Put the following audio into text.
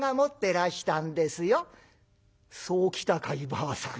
「そうきたかいばあさん。